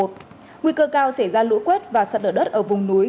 nguy cơ cao xảy ra lũ quét và sạt lở đất ở vùng núi